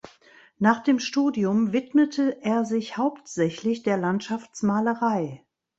Nach dem Studium widmete er sich hauptsächlich der Landschaftsmalerei.